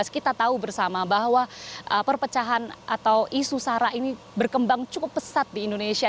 kita tahu bersama bahwa perpecahan atau isu sara ini berkembang cukup pesat di indonesia